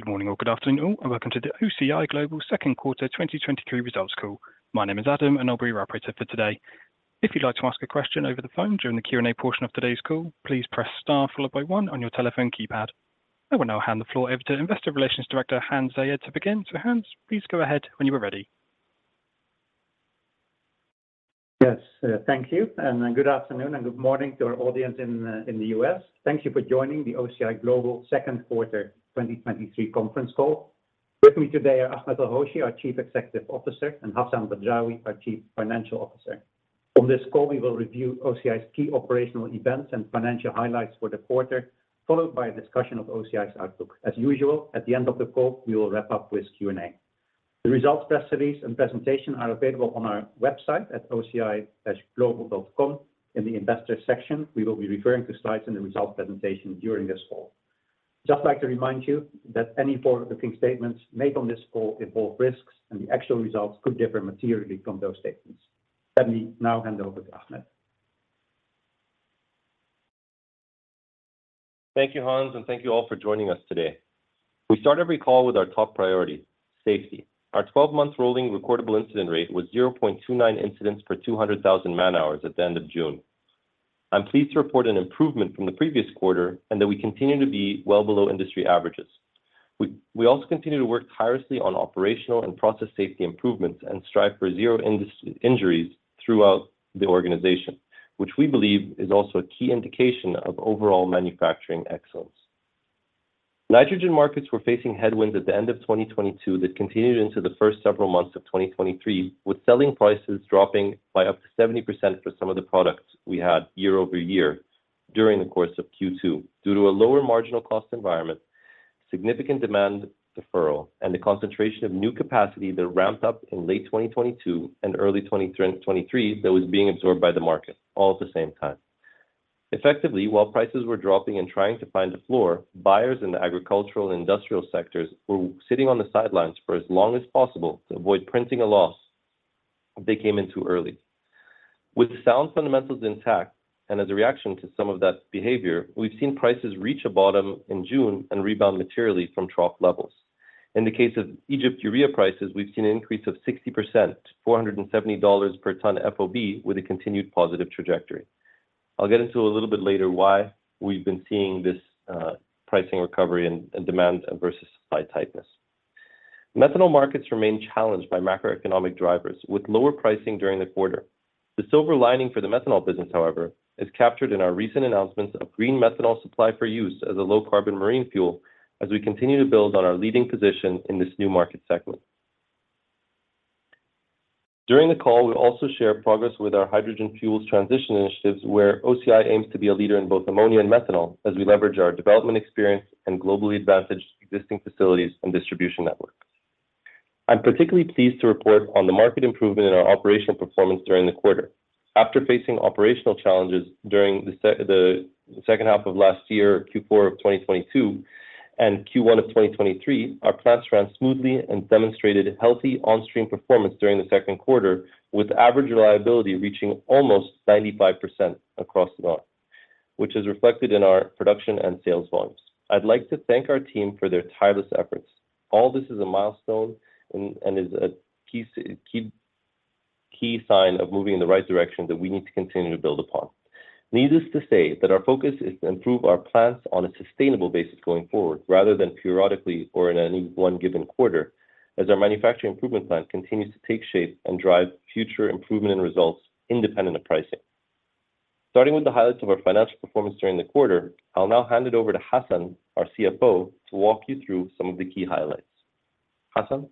Good morning or good afternoon all, and welcome to the OCI Global Second Quarter 2023 Results Call. My name is Adam, and I'll be your operator for today. If you'd like to ask a question over the phone during the Q&A portion of today's call, please press Star followed by one on your telephone keypad. I will now hand the floor over to Investor Relations Director, Hans Zayed, to begin. Hans, please go ahead when you are ready. Yes, thank you, and good afternoon and good morning to our audience in the U.S. Thank you for joining the OCI Global Second Quarter 2023 conference call. With me today are Ahmed El-Hoshy, our Chief Executive Officer, and Hassan Badrawi, our Chief Financial Officer. On this call, we will review OCI's key operational events and financial highlights for the quarter, followed by a discussion of OCI's outlook. As usual, at the end of the call, we will wrap up with Q&A. The results press release and presentation are available on our website at oci-global.com in the Investors section. We will be referring to slides in the results presentation during this call. Just like to remind you that any forward-looking statements made on this call involve risks, and the actual results could differ materially from those statements. Let me now hand over to Ahmed. Thank you, Hans. Thank you all for joining us today. We start every call with our top priority, safety. Our 12-month rolling recordable incident rate was 0.29 incidents per 200,000 man-hours at the end of June. I'm pleased to report an improvement from the previous quarter and that we continue to be well below industry averages. We also continue to work tirelessly on operational and process safety improvements and strive for zero injuries throughout the organization, which we believe is also a key indication of overall manufacturing excellence. Nitrogen markets were facing headwinds at the end of 2022 that continued into the first several months of 2023, with selling prices dropping by up to 70% for some of the products we had year-over-year during the course of Q2, due to a lower marginal cost environment, significant demand deferral, and the concentration of new capacity that ramped up in late 2022 and early 2023, that was being absorbed by the market all at the same time. Effectively, while prices were dropping and trying to find a floor, buyers in the agricultural and industrial sectors were sitting on the sidelines for as long as possible to avoid printing a loss they came into early. With sound fundamentals intact, as a reaction to some of that behavior, we've seen prices reach a bottom in June and rebound materially from trough levels. In the case of Egypt urea prices, we've seen an increase of 60%, $470 per ton FOB, with a continued positive trajectory. I'll get into a little bit later why we've been seeing this pricing recovery and demand versus supply tightness. Methanol markets remain challenged by macroeconomic drivers, with lower pricing during the quarter. The silver lining for the methanol business, however, is captured in our recent announcements of green methanol supply for use as a low-carbon marine fuel as we continue to build on our leading position in this new market segment. During the call, we'll also share progress with our hydrogen fuels transition initiatives, where OCI aims to be a leader in both ammonia and methanol as we leverage our development experience and globally advantaged existing facilities and distribution networks. I'm particularly pleased to report on the market improvement in our operational performance during the quarter. After facing operational challenges during the second half of last year, Q4 of 2022 and Q1 of 2023, our plants ran smoothly and demonstrated healthy on-stream performance during the second quarter, with average reliability reaching almost 95% across the board, which is reflected in our production and sales volumes. I'd like to thank our team for their tireless efforts. All this is a milestone and, and is a key key, key sign of moving in the right direction that we need to continue to build upon. Needless to say that our focus is to improve our plants on a sustainable basis going forward, rather than periodically or in any one given quarter, as our manufacturing improvement plan continues to take shape and drive future improvement in results independent of pricing. Starting with the highlights of our financial performance during the quarter, I'll now hand it over to Hassan, our CFO, to walk you through some of the key highlights. Hassan?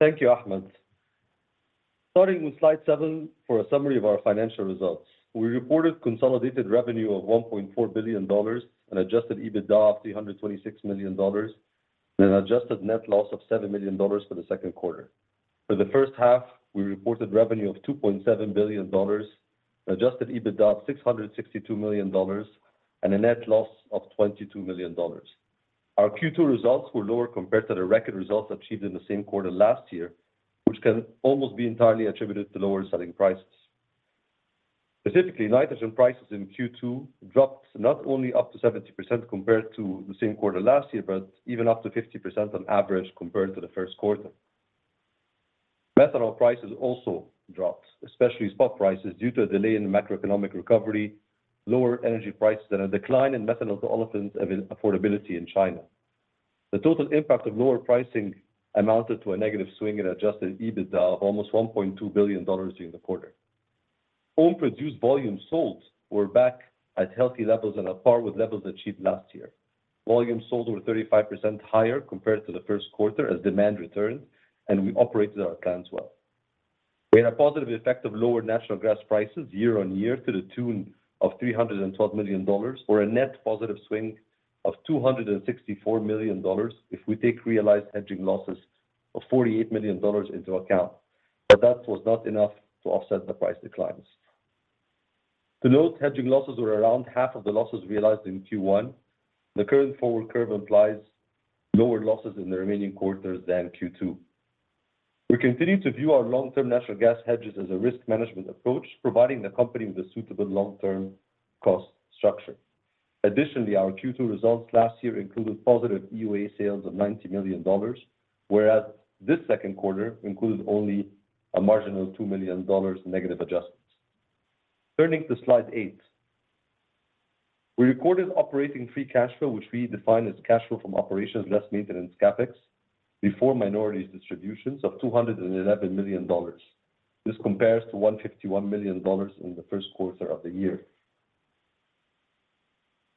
Thank you, Ahmed. Starting with slide 7 for a summary of our financial results. We reported consolidated revenue of $1.4 billion, an adjusted EBITDA of $326 million, and an adjusted net loss of $7 million for the second quarter. For the first half, we reported revenue of $2.7 billion, adjusted EBITDA of $662 million, and a net loss of $22 million. Our Q2 results were lower compared to the record results achieved in the same quarter last year, which can almost be entirely attributed to lower selling prices. Specifically, nitrogen prices in Q2 dropped not only up to 70% compared to the same quarter last year, but even up to 50% on average compared to the first quarter. Methanol prices also dropped, especially spot prices, due to a delay in the macroeconomic recovery, lower energy prices, and a decline in Methanol-to-Olefins affordability in China. The total impact of lower pricing amounted to a negative swing in adjusted EBITDA of almost $1.2 billion during the quarter. Own produced volumes sold were back at healthy levels and are par with levels achieved last year. Volumes sold were 35% higher compared to the first quarter as demand returned, we operated our plants well. We had a positive effect of lower natural gas prices year-over-year to the tune of $312 million, or a net positive swing of $264 million, if we take realized hedging losses of $48 million into account, that was not enough to offset the price declines. To note, hedging losses were around half of the losses realized in Q1. The current forward curve implies lower losses in the remaining quarters than Q2. We continue to view our long-term natural gas hedges as a risk management approach, providing the company with a suitable long-term cost structure. Additionally, our Q2 results last year included positive EUA sales of $90 million, whereas this second quarter includes only a marginal $2 million negative adjustments. Turning to slide 8. We recorded operating free cash flow, which we define as cash flow from operations less maintenance CapEx, before minorities distributions of $211 million. This compares to $151 million in the first quarter of the year.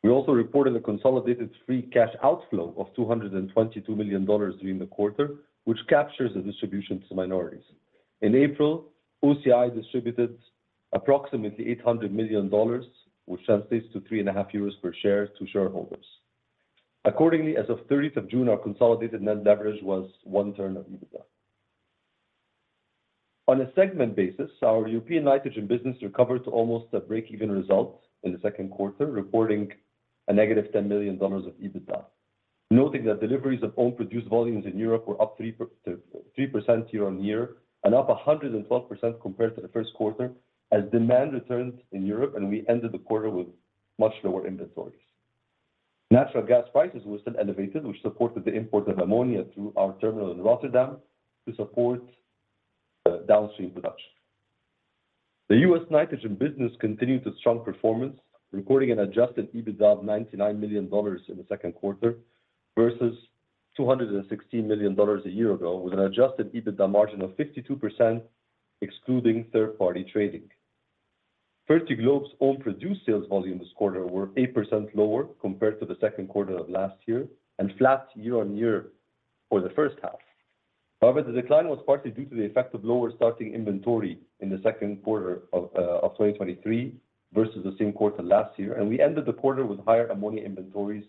We also reported a consolidated free cash outflow of $222 million during the quarter, which captures the distribution to minorities. In April, OCI distributed approximately $800 million, which translates to 3.5 euros per share to shareholders. Accordingly, as of 30th of June, our consolidated net leverage was one turn of EBITDA. On a segment basis, our European nitrogen business recovered to almost a breakeven result in the second quarter, reporting a negative $10 million of EBITDA, noting that deliveries of own-produced volumes in Europe were up 3% year-on-year and up 112% compared to the first quarter, as demand returned in Europe and we ended the quarter with much lower inventories. Natural gas prices were still elevated, which supported the import of ammonia through our terminal in Rotterdam to support downstream production. The U.S. nitrogen business continued its strong performance, recording an adjusted EBITDA of $99 million in the second quarter versus $216 million a year ago, with an adjusted EBITDA margin of 52%, excluding third-party trading. Fertiglobe's own produced sales volumes this quarter were 8% lower compared to the second quarter of last year and flat year-on-year for the first half. However, the decline was partly due to the effect of lower starting inventory in the second quarter of 2023 versus the same quarter last year, and we ended the quarter with higher ammonia inventories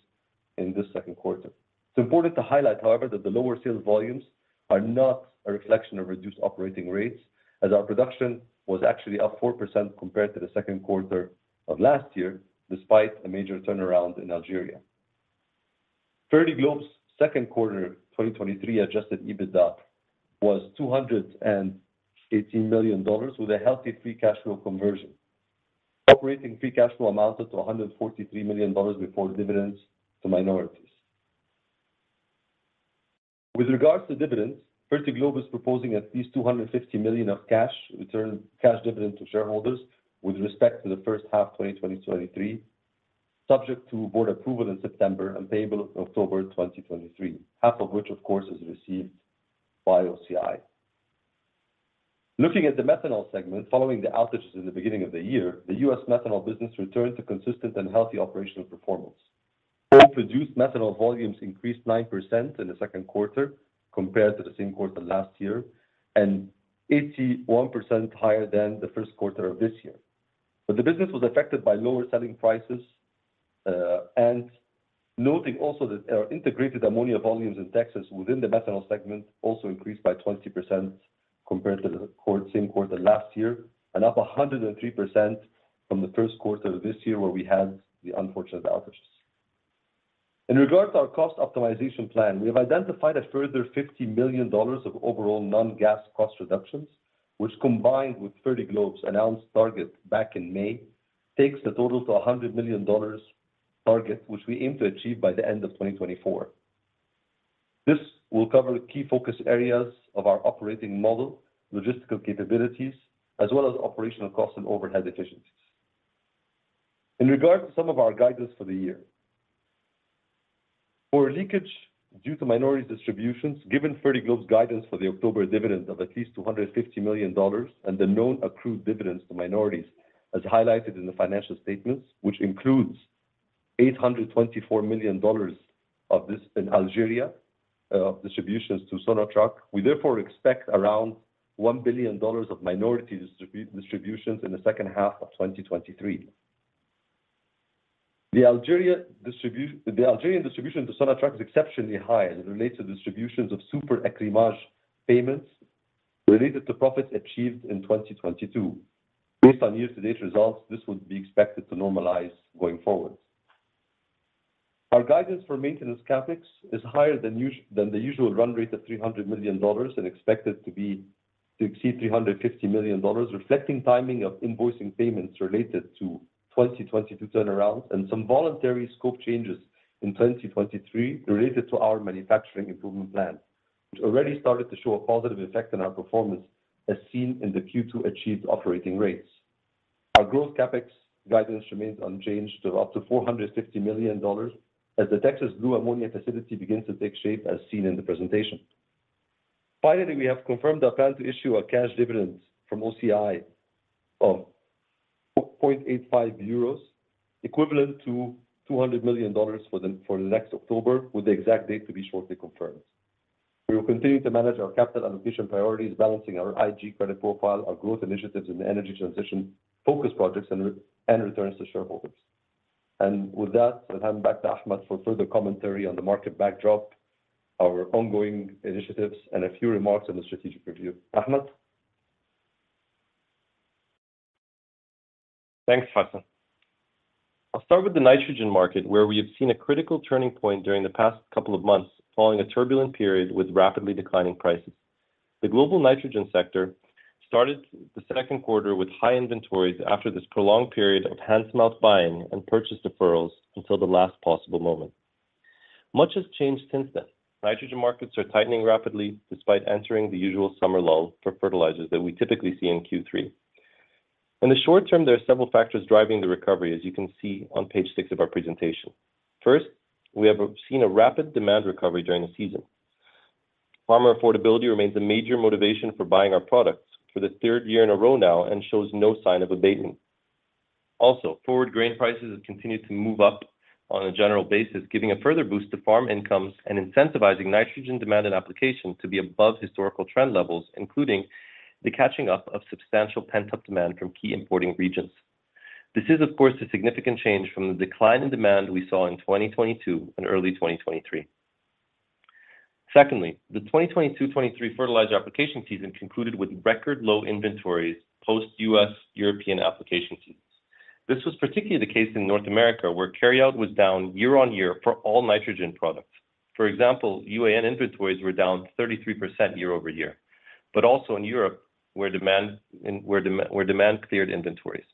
in this second quarter. It's important to highlight, however, that the lower sales volumes are not a reflection of reduced operating rates, as our production was actually up 4% compared to the second quarter of last year, despite a major turnaround in Algeria. Fertiglobe's second quarter 2023 adjusted EBITDA was $218 million, with a healthy free cash flow conversion. Operating free cash flow amounted to $143 million before dividends to minorities. With regards to dividends, Fertiglobe is proposing at least $250 million of cash return, cash dividend to shareholders with respect to the first half 2023, subject to board approval in September and payable October 2023, half of which, of course, is received by OCI. Looking at the methanol segment, following the outages in the beginning of the year, the U.S. methanol business returned to consistent and healthy operational performance. Own-produced methanol volumes increased 9% in the second quarter compared to the same quarter last year, and 81% higher than the first quarter of this year. The business was affected by lower selling prices, and noting also that our integrated ammonia volumes in Texas within the methanol segment also increased by 20% compared to the same quarter last year, and up 103% from the first quarter of this year, where we had the unfortunate outages. In regards to our cost optimization plan, we have identified a further $50 million of overall non-gas cost reductions, which, combined with Fertiglobe's announced target back in May, takes the total to a $100 million target, which we aim to achieve by the end of 2024. This will cover key focus areas of our operating model, logistical capabilities, as well as operational costs and overhead efficiencies. In regard to some of our guidance for the year. For leakage due to minority distributions, given Fertiglobe's guidance for the October dividend of at least $250 million and the known accrued dividends to minorities, as highlighted in the financial statements, which includes $824 million of this in Algeria, distributions to Sonatrach, we therefore expect around $1 billion of minority distributions in the second half of 2023. The Algerian distribution to Sonatrach is exceptionally high as it relates to distributions of super-bénéfice payments related to profits achieved in 2022. Based on year-to-date results, this would be expected to normalize going forward. Our guidance for maintenance CapEx is higher than the usual run rate of $300 million and expected to be, to exceed $350 million, reflecting timing of invoicing payments related to 2022 turnarounds and some voluntary scope changes in 2023 related to our manufacturing improvement plan, which already started to show a positive effect on our performance, as seen in the Q2 achieved operating rates. Our growth CapEx guidance remains unchanged to up to $450 million as the Texas blue ammonia facility begins to take shape, as seen in the presentation. Finally, we have confirmed our plan to issue a cash dividend from OCI of 4.85 euros, equivalent to $200 million for the next October, with the exact date to be shortly confirmed. We will continue to manage our capital allocation priorities, balancing our IG credit profile, our growth initiatives in the energy transition, focus projects and returns to shareholders. With that, I'll hand back to Ahmed for further commentary on the market backdrop, our ongoing initiatives, and a few remarks on the strategic review. Ahmed? Thanks, Hassan. I'll start with the nitrogen market, where we have seen a critical turning point during the past couple of months, following a turbulent period with rapidly declining prices. The global nitrogen sector started the second quarter with high inventories after this prolonged period of hand-to-mouth and purchase deferrals until the last possible moment. Much has changed since then. Nitrogen markets are tightening rapidly, despite entering the usual summer lull for fertilizers that we typically see in Q3. In the short term, there are several factors driving the recovery, as you can see on page six of our presentation. First, we have seen a rapid demand recovery during the season. Farmer affordability remains a major motivation for buying our products for the third year in a row now, and shows no sign of abating. Also, forward grain prices have continued to move up on a general basis, giving a further boost to farm incomes and incentivizing nitrogen demand and application to be above historical trend levels, including the catching up of substantial pent-up demand from key importing regions. This is, of course, a significant change from the decline in demand we saw in 2022 and early 2023. Secondly, the 2022, 2023 fertilizer application season concluded with record-low inventories post-U.S. European application seasons. This was particularly the case in North America, where carryout was down year-on-year for all nitrogen products. For example, UAN inventories were down 33% year-over-year, but also in Europe, where demand, and where demand cleared inventories.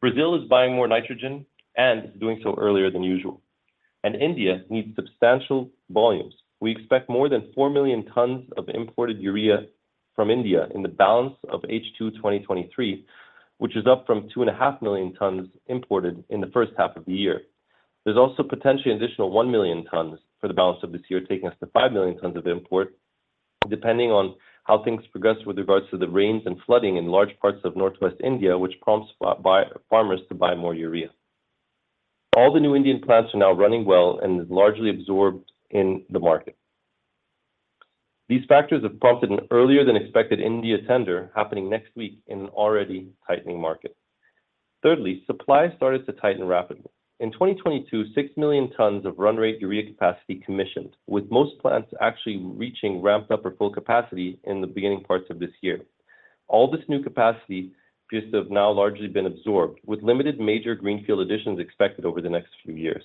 Brazil is buying more nitrogen and is doing so earlier than usual, and India needs substantial volumes. We expect more than 4 million tons of imported urea from India in the balance of H2 2023, which is up from 2.5 million tons imported in the first half of the year. There's also potentially an additional 1 million tons for the balance of this year, taking us to 5 million tons of import, depending on how things progress with regards to the rains and flooding in large parts of Northwest India, which prompts buy... farmers to buy more urea. All the new Indian plants are now running well and is largely absorbed in the market. These factors have prompted an earlier-than-expected India tender happening next week in an already tightening market. Thirdly, supply started to tighten rapidly. In 2022, 6 million tons of run-rate urea capacity commissioned, with most plants actually reaching ramped up or full capacity in the beginning parts of this year. All this new capacity just have now largely been absorbed, with limited major greenfield additions expected over the next few years.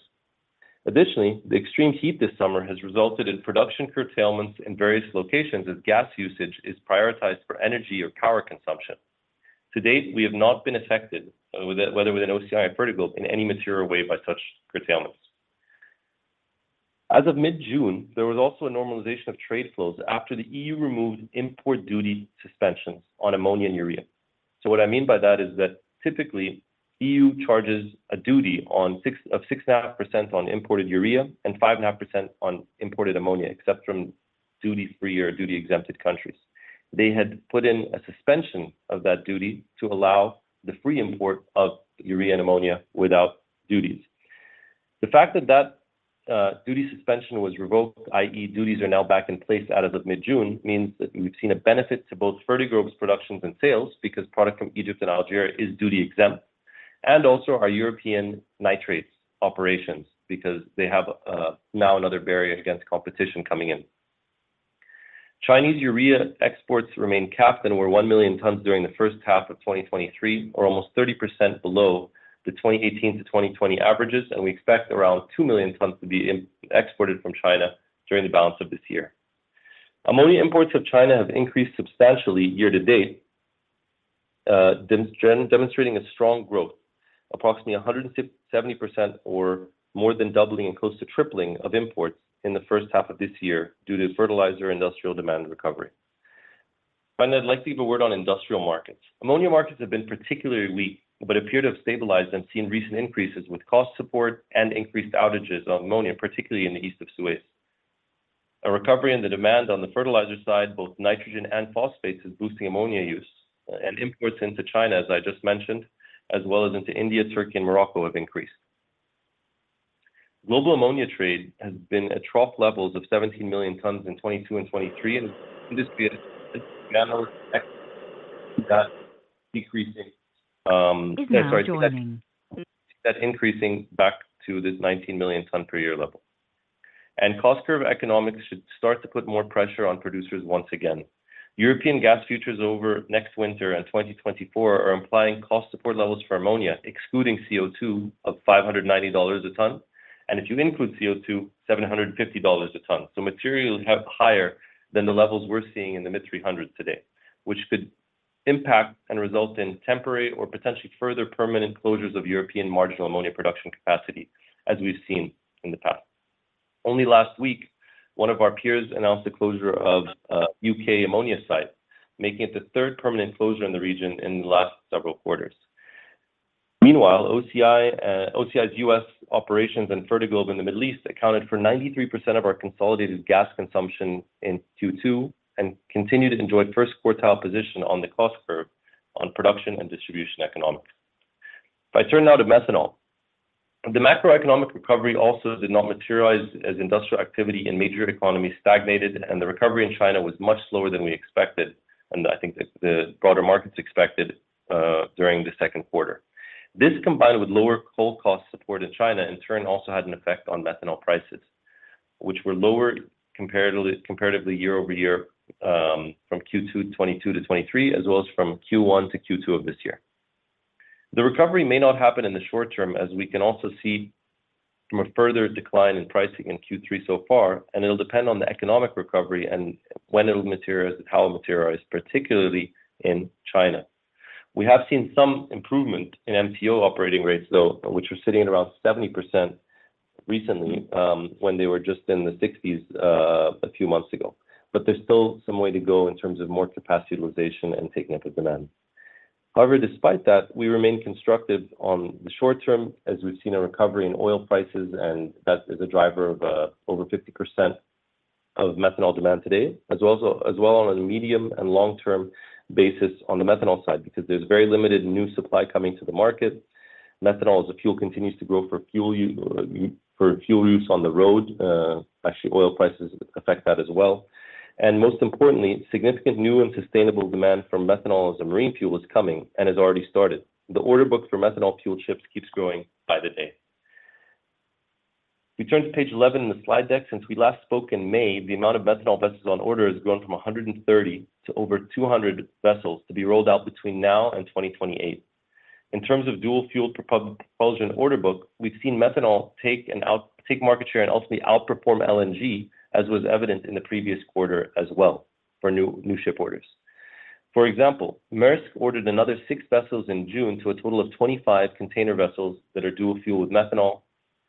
The extreme heat this summer has resulted in production curtailments in various locations, as gas usage is prioritized for energy or power consumption. To date, we have not been affected, whether with an OCI or Fertiglobe, in any material way by such curtailments. As of mid-June, there was also a normalization of trade flows after the EU removed import duty suspensions on ammonia and urea. What I mean by that is that typically, EU charges a duty on 6... of 6.5% on imported urea and 5.5% on imported ammonia, except from duty-free or duty-exempted countries. They had put in a suspension of that duty to allow the free import of urea and ammonia without duties. The fact that that duty suspension was revoked, i.e. duties are now back in place out of the mid-June, means that we've seen a benefit to both Fertiglobe's productions and sales, because product from Egypt and Algeria is duty-exempt, and also our European nitrates operations, because they have now another barrier against competition coming in. Chinese urea exports remain capped and were 1 million tons during the first half of 2023, or almost 30% below the 2018-2020 averages, and we expect around 2 million tons to be exported from China during the balance of this year. Ammonia imports of China have increased substantially year to date, demonstrating a strong growth, approximately 170% or more than doubling and close to tripling of imports in the first half of this year due to fertilizer industrial demand recovery. I'd like to leave a word on industrial markets. Ammonia markets have been particularly weak, but appear to have stabilized and seen recent increases with cost support and increased outages of ammonia, particularly in the East of Suez. A recovery in the demand on the fertilizer side, both nitrogen and phosphates, is boosting ammonia use and imports into China, as I just mentioned, as well as into India, Turkey, and Morocco, have increased. Global ammonia trade has been at trough levels of 17 million tons in 2022 and 2023, and this is. That increasing back to this 19 million ton per year level. Cost curve economics should start to put more pressure on producers once again. European gas futures over next winter and 2024 are implying cost support levels for ammonia, excluding CO2, of $590 a ton. If you include CO2, $750 a ton. Materially have higher than the levels we're seeing in the mid-$300s today, which could impact and result in temporary or potentially further permanent closures of European marginal ammonia production capacity, as we've seen in the past. Only last week, one of our peers announced the closure of a UK ammonia site, making it the third permanent closure in the region in the last several quarters. Meanwhile, OCI, OCI's U.S. operations and Fertiglobe in the Middle East accounted for 93% of our consolidated gas consumption in Q2 and continued to enjoy first quartile position on the cost curve on production and distribution economics. If I turn now to methanol, the macroeconomic recovery also did not materialize as industrial activity in major economies stagnated, and the recovery in China was much slower than we expected, and I think the, the broader markets expected, during the second quarter. This, combined with lower coal cost support in China, in turn, also had an effect on methanol prices. which were lower comparatively, comparatively year-over-year, from Q2 2022 to 2023, as well as from Q1 to Q2 of this year. The recovery may not happen in the short term, as we can also see from a further decline in pricing in Q3 so far. It'll depend on the economic recovery and when it will materialize, how it materializes, particularly in China. We have seen some improvement in MTO operating rates, though, which were sitting at around 70% recently, when they were just in the 60s a few months ago. There's still some way to go in terms of more capacity utilization and taking up the demand. However, despite that, we remain constructive on the short term as we've seen a recovery in oil prices, and that is a driver of over 50% of methanol demand today, as well as, as well on a medium and long-term basis on the methanol side, because there's very limited new supply coming to the market. Methanol as a fuel continues to grow for fuel use on the road. Actually, oil prices affect that as well. Most importantly, significant new and sustainable demand for methanol as a marine fuel is coming and has already started. The order book for methanol fuel ships keeps growing by the day. We turn to page 11 in the slide deck. Since we last spoke in May, the amount of methanol vessels on order has grown from 130 to over 200 vessels to be rolled out between now and 2028. In terms of dual-fueled propulsion order book, we've seen methanol take and take market share and ultimately outperform LNG, as was evident in the previous quarter as well for new, new ship orders. For example, Maersk ordered another 6 vessels in June to a total of 25 container vessels that are dual fuel with methanol.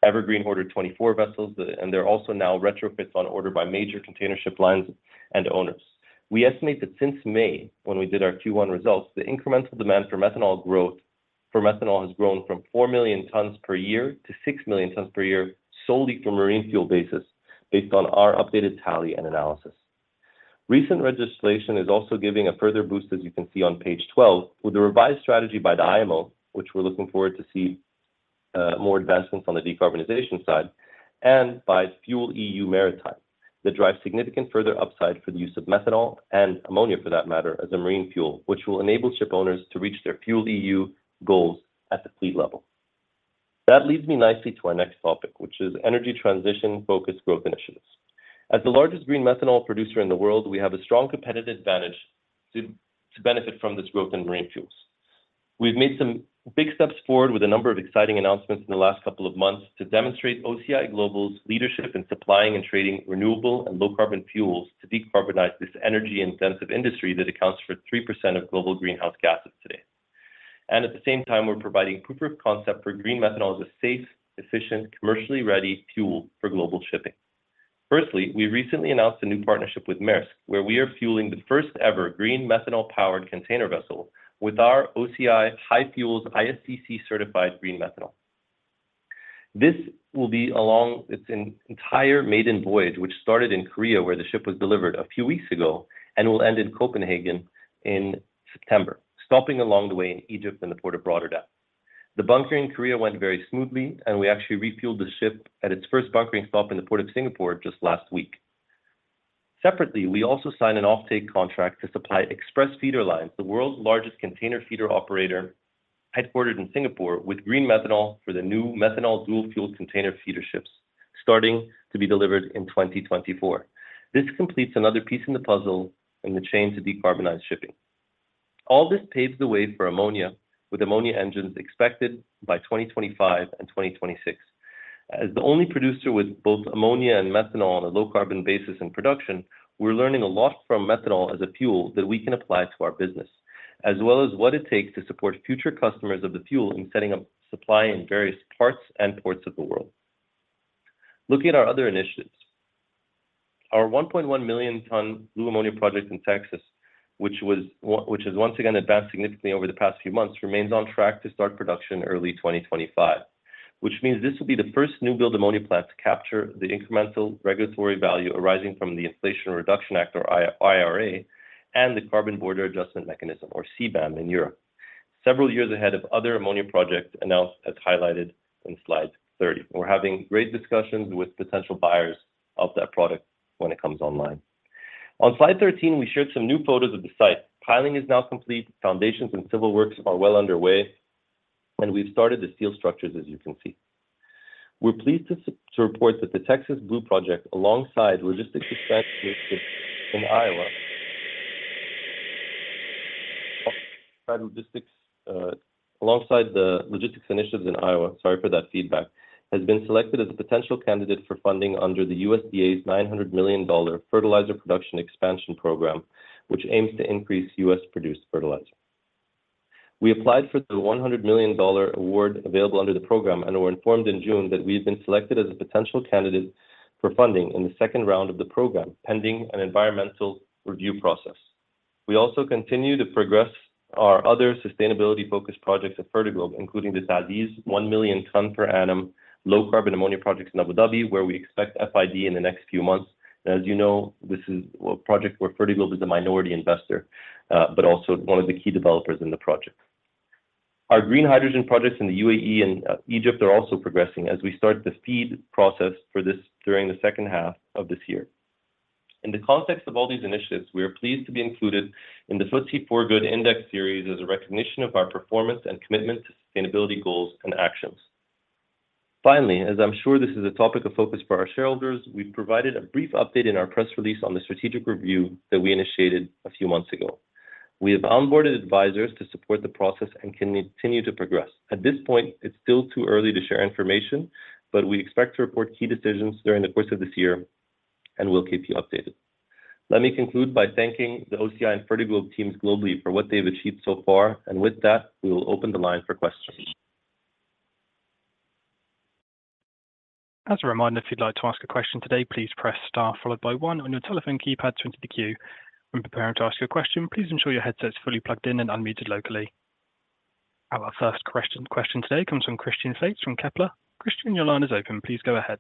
Evergreen ordered 24 vessels, and there are also now retrofits on order by major container ship lines and owners. We estimate that since May, when we did our Q1 results, the incremental demand for methanol for methanol has grown from 4 million tons per year to 6 million tons per year, solely for marine fuel basis, based on our updated tally and analysis. Recent registration is also giving a further boost, as you can see on page 12, with a revised strategy by the IMO, which we're looking forward to see more advancements on the decarbonization side and by FuelEU Maritime. That drives significant further upside for the use of methanol, and ammonia for that matter, as a marine fuel, which will enable ship owners to reach their FuelEU goals at the fleet level. That leads me nicely to our next topic, which is energy transition-focused growth initiatives. As the largest green methanol producer in the world, we have a strong competitive advantage to benefit from this growth in marine fuels. We've made some big steps forward with a number of exciting announcements in the last couple of months to demonstrate OCI Global's leadership in supplying and trading renewable and low carbon fuels to decarbonize this energy-intensive industry that accounts for 3% of global greenhouse gases today. At the same time, we're providing proof of concept for green methanol as a safe, efficient, commercially ready fuel for global shipping. Firstly, we recently announced a new partnership with Maersk, where we are fueling the first-ever green methanol-powered container vessel with our OCI HyFuels ISCC-certified green methanol. This will be along its entire maiden voyage, which started in Korea, where the ship was delivered a few weeks ago, and will end in Copenhagen in September, stopping along the way in Egypt and the Port of Rotterdam. The bunkering in Korea went very smoothly, and we actually refueled the ship at its first bunkering stop in the Port of Singapore just last week. Separately, we also signed an offtake contract to supply X-Press Feeders, the world's largest container feeder operator, headquartered in Singapore, with green methanol for the new methanol dual-fueled container feeder ships, starting to be delivered in 2024. This completes another piece in the puzzle in the chain to decarbonize shipping. All this paves the way for ammonia, with ammonia engines expected by 2025 and 2026. As the only producer with both ammonia and methanol on a low-carbon basis in production, we're learning a lot from methanol as a fuel that we can apply to our business, as well as what it takes to support future customers of the fuel in setting up supply in various parts and ports of the world. Looking at our other initiatives, our 1.1 million ton blue ammonia project in Texas, which has once again advanced significantly over the past few months, remains on track to start production early 2025. This will be the first new-build ammonia plant to capture the incremental regulatory value arising from the Inflation Reduction Act or IRA, and the Carbon Border Adjustment Mechanism, or CBAM, in Europe, several years ahead of other ammonia projects announced as highlighted in slide 30. We're having great discussions with potential buyers of that product when it comes online. On slide 13, we shared some new photos of the site. Piling is now complete, foundations and civil works are well underway, and we've started the steel structures, as you can see. We're pleased to report that the Texas Blue Project, alongside logistics initiatives in Iowa, sorry for that feedback, has been selected as a potential candidate for funding under the USDA's $900 million Fertilizer Production Expansion program, which aims to increase US-produced fertilizer. We applied for the $100 million award available under the program and were informed in June that we've been selected as a potential candidate for funding in the second round of the program, pending an environmental review process. We also continue to progress our other sustainability-focused projects at Fertiglobe, including the TA'ZIZ 1 million ton per annum low-carbon ammonia projects in Abu Dhabi, where we expect FID in the next few months. As you know, this is a project where Fertiglobe is a minority investor, but also one of the key developers in the project. Our green hydrogen projects in the UAE and Egypt are also progressing as we start the FEED process for this during the second half of this year. In the context of all these initiatives, we are pleased to be included in the FTSE4Good Index Series as a recognition of our performance and commitment to sustainability goals and actions. Finally, as I'm sure this is a topic of focus for our shareholders, we've provided a brief update in our press release on the strategic review that we initiated a few months ago. We have onboarded advisors to support the process and continue to progress. At this point, it's still too early to share information, but we expect to report key decisions during the course of this year, and we'll keep you updated. Let me conclude by thanking the OCI and Fertiglobe teams globally for what they've achieved so far, with that, we will open the line for questions. As a reminder, if you'd like to ask a question today, please press Star followed by one on your telephone keypad to enter the queue. When preparing to ask your question, please ensure your headset is fully plugged in and unmuted locally. Our first question today comes from Christian Faitz from Kepler. Christian, your line is open. Please go ahead.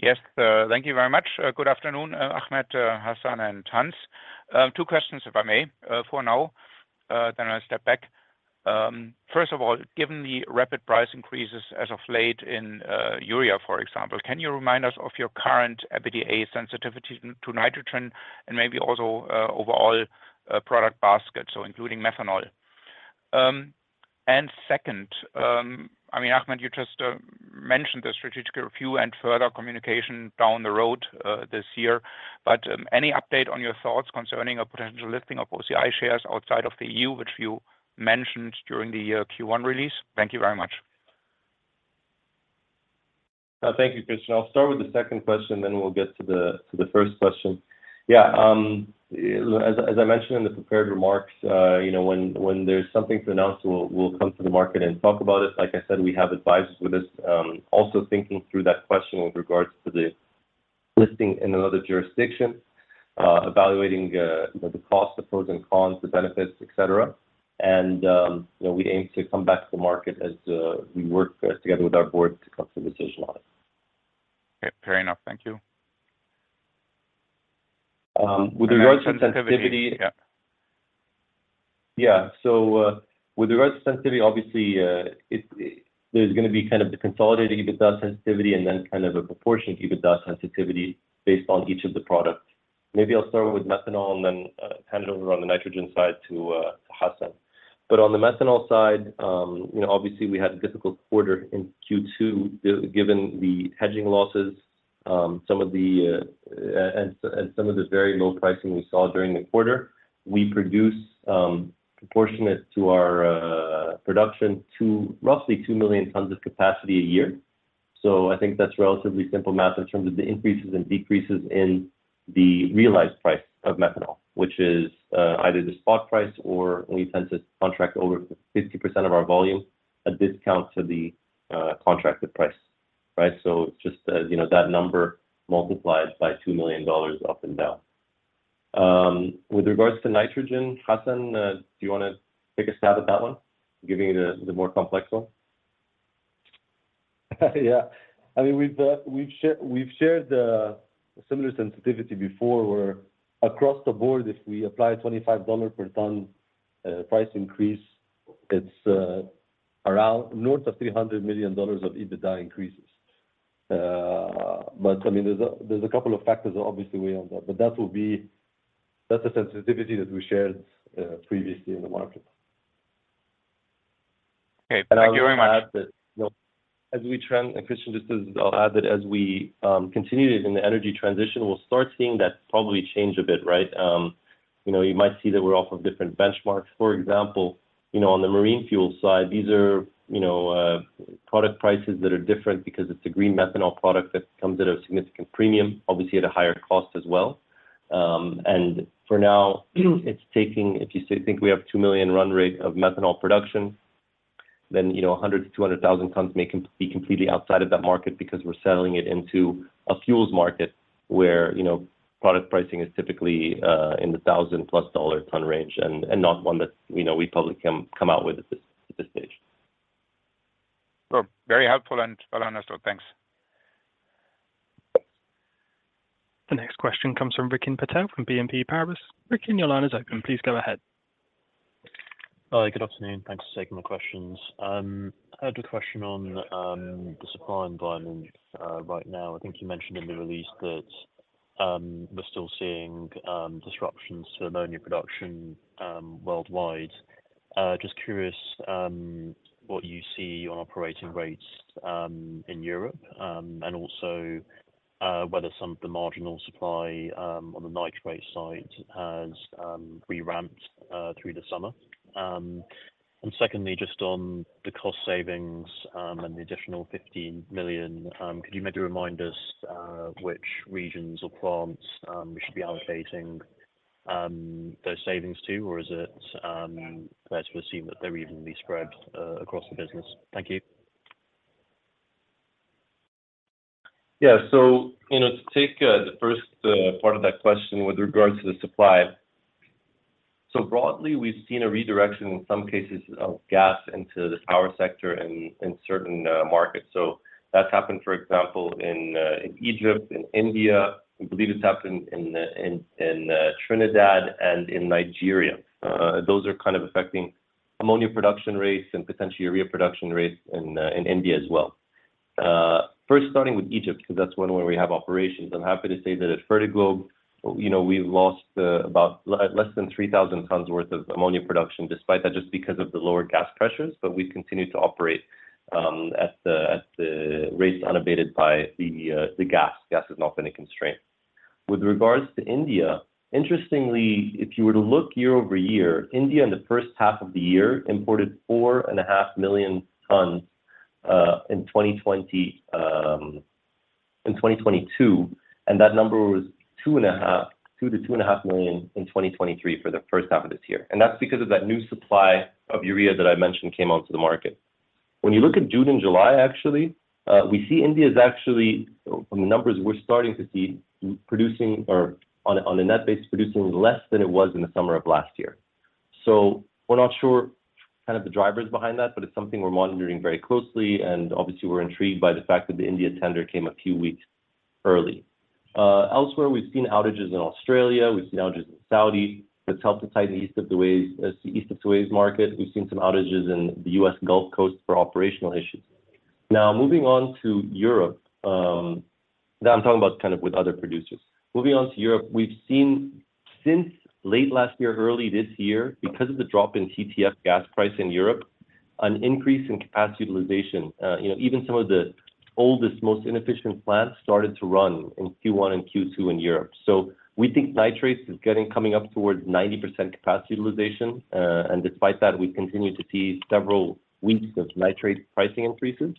Yes, thank you very much. Good afternoon, Ahmed, Hassan, and Hans. 2 questions, if I may, for now, then I'll step back. First of all, given the rapid price increases as of late in urea, for example, can you remind us of your current EBITDA sensitivity to nitrogen and maybe also overall product basket, so including methanol? Second, I mean, Ahmed, you just mentioned the strategic review and further communication down the road this year, but any update on your thoughts concerning a potential lifting of OCI shares outside of the EU, which you mentioned during the Q1 release? Thank you very much. Thank you, Christian. I'll start with the second question, then we'll get to the first question. Yeah, as, as I mentioned in the prepared remarks, you know, when, when there's something to announce, we'll, we'll come to the market and talk about it. Like I said, we have advisors with us, also thinking through that question with regards to the listing in another jurisdiction, evaluating, you know, the cost, the pros and cons, the benefits, et cetera. You know, we aim to come back to the market as we work together with our board to come to a decision on it. Okay, fair enough. Thank you. With regards to sensitivity- Yeah. Yeah. With regards to sensitivity, obviously, there's gonna be kind of the consolidated EBITDA sensitivity and then kind of a proportionate EBITDA sensitivity based on each of the products. Maybe I'll start with methanol and then hand it over on the nitrogen side to Hassan. On the methanol side, you know, obviously, we had a difficult quarter in Q2, given the hedging losses, some of the and some of the very low pricing we saw during the quarter. We produce, proportionate to our production to roughly 2 million tons of capacity a year. I think that's relatively simple math in terms of the increases and decreases in the realized price of methanol, which is either the spot price or we tend to contract over 50% of our volume, a discount to the contracted price, right? Just, you know, that number multiplied by $2 million up and down. With regards to nitrogen, Hassan, do you want to take a stab at that one, giving you the more complex one? Yeah. I mean, we've, we've shared the similar sensitivity before, where across the board, if we apply $25 per ton price increase, it's, around north of $300 million of EBITDA increases. I mean, there's a, there's a couple of factors that obviously weigh on that, that's the sensitivity that we shared, previously in the market. Okay. Thank you very much. As we trend, and Christian, just as I'll add that as we continue in the energy transition, we'll start seeing that probably change a bit, right? You know, you might see that we're off of different benchmarks. For example, you know, on the marine fuel side, these are, you know, product prices that are different because it's a green methanol product that comes at a significant premium, obviously at a higher cost as well. For now, it's taking... If you think we have 2 million run rate of methanol production, then, you know, 100,000-200,000 tons may be completely outside of that market because we're selling it into a fuels market where, you know, product pricing is typically in the $1,000-plus dollar ton range and, and not one that, you know, we probably can come out with at this, at this stage. Well, very helpful and well understood. Thanks. The next question comes from Rikin Patel from BNP Paribas. Rikin, your line is open. Please go ahead. Hi, good afternoon. Thanks for taking the questions. I had a question on the supply environment right now. I think you mentioned in the release that we're still seeing disruptions to ammonia production worldwide. Just curious what you see on operating rates in Europe, and also whether some of the marginal supply on the nitrate side has re-ramped through the summer. Secondly, just on the cost savings and the additional $15 million, could you maybe remind us which regions or plants we should be allocating those savings to? Or is it fair to assume that they're evenly spread across the business? Thank you. You know, to take the first part of that question with regards to the supply. Broadly, we've seen a redirection in some cases of gas into the power sector in certain markets. That's happened, for example, in Egypt, in India. I believe it's happened in Trinidad and in Nigeria. Those are kind of affecting ammonia production rates and potentially urea production rates in India as well. First, starting with Egypt, because that's one where we have operations. I'm happy to say that at Fertiglobe, you know, we've lost about less than 3,000 tons worth of ammonia production despite that, just because of the lower gas pressures, but we've continued to operate at the rates unabated by the gas. Gas has not been a constraint. With regards to India, interestingly, if you were to look year-over-year, India in the first half of the year imported 4.5 million tons in 2020, in 2022, and that number was 2.5, 2 million-2.5 million in 2023 for the first half of this year. That's because of that new supply of urea that I mentioned came onto the market. When you look at June and July, actually, we see India is actually, from the numbers we're starting to see, producing or on a, on a net basis, producing less than it was in the summer of last year. We're not sure kind of the drivers behind that, but it's something we're monitoring very closely, and obviously, we're intrigued by the fact that the India tender came a few weeks early. Elsewhere, we've seen outages in Australia, we've seen outages in Saudi. That's helped to tighten the East of the Suez, East of Suez market. We've seen some outages in the U.S. Gulf Coast for operational issues. Moving on to Europe. Now, I'm talking about kind of with other producers. Moving on to Europe, we've seen since late last year, early this year, because of the drop in TTF gas price in Europe, an increase in capacity utilization. You know, even some of the oldest, most inefficient plants started to run in Q1 and Q2 in Europe. We think nitrates is getting, coming up towards 90% capacity utilization, and despite that, we continue to see several weeks of nitrate pricing increases.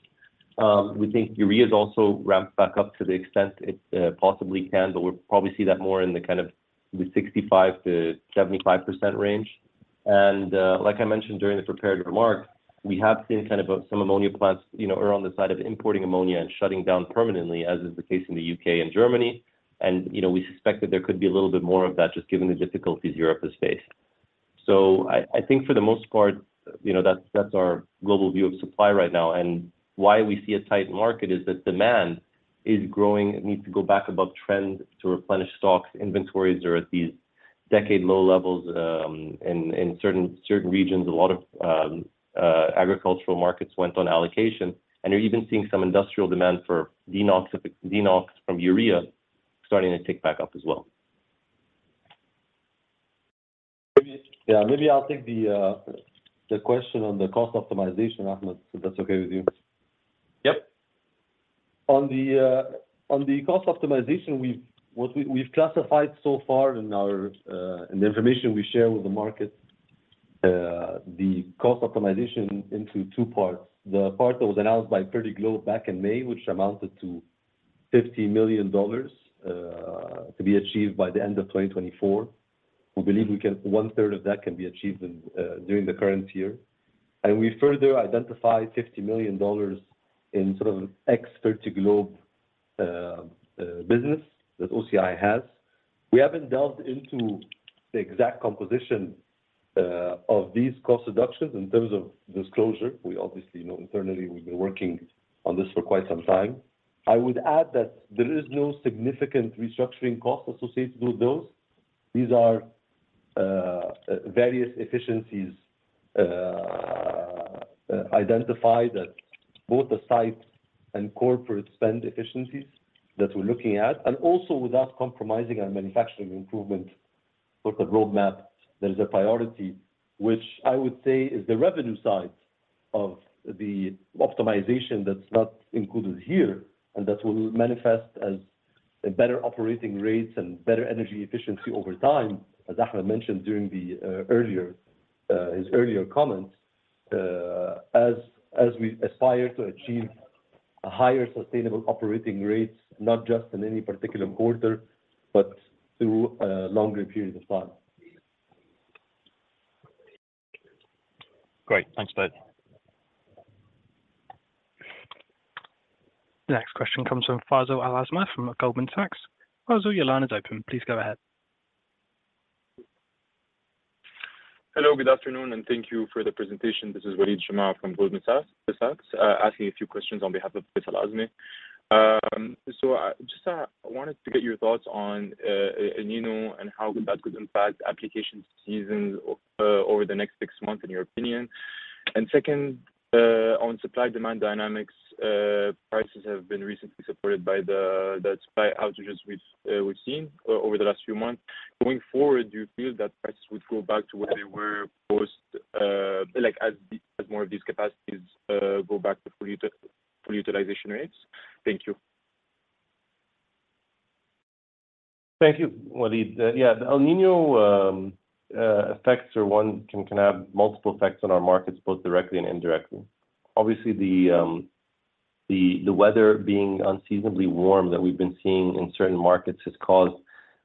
We think ureas also ramped back up to the extent it possibly can, but we'll probably see that more in the kind of the 65%-75% range. Like I mentioned during the prepared remarks, we have seen kind of, some ammonia plants, you know, are on the side of importing ammonia and shutting down permanently, as is the case in the UK and Germany. We suspect that there could be a little bit more of that just given the difficulties Europe has faced. I think for the most part, you know, that's our global view of supply right now. Why we see a tight market is that demand is growing. It needs to go back above trend to replenish stocks. Inventories are at these decade-low levels, in, in certain, certain regions. A lot of agricultural markets went on allocation, and you're even seeing some industrial demand for DeNOx, DeNOx from Urea starting to tick back up as well. Maybe, yeah, maybe I'll take the question on the cost optimization, Ahmed, if that's okay with you? Yep. On the cost optimization, we've. What we, we've classified so far in our in the information we share with the market, the cost optimization into two parts. The part that was announced by Fertiglobe back in May, which amounted to $50 million to be achieved by the end of 2024. We believe we can, one-third of that can be achieved in during the current year. We further identify $50 million in sort of ex-Fertiglobe business that OCI has. We haven't delved into the exact composition of these cost reductions in terms of disclosure. We obviously know internally, we've been working on this for quite some time. I would add that there is no significant restructuring cost associated with those. These are various efficiencies identified that both the sites and corporate spend efficiencies that we're looking at, and also without compromising our manufacturing improvement sort of roadmap. There is a priority, which I would say is the revenue side of the optimization that's not included here, and that will manifest as a better operating rates and better energy efficiency over time, as Ahmed mentioned during the earlier his earlier comments, as we aspire to achieve a higher sustainable operating rates, not just in any particular quarter, but through a longer period of time. Great. Thanks, Dave. The next question comes from Faisal Al-Azmeh, from Goldman Sachs. Fazal, your line is open. Please go ahead. Hello, good afternoon, and thank you for the presentation. This is Awad from Goldman Sachs, asking a few questions on behalf of Faisal Al-Azmeh. So I just wanted to get your thoughts on El Niño and how that could impact application seasons over the next six months, in your opinion. Second, on supply-demand dynamics, prices have been recently supported by the supply outages we've seen over the last few months. Going forward, do you feel that prices would go back to what they were post, like, as more of these capacities go back to full utilization rates? Thank you. Thank you, Awad. Yeah, the El Niño effects are one, can, can have multiple effects on our markets, both directly and indirectly. Obviously, the weather being unseasonably warm that we've been seeing in certain markets has caused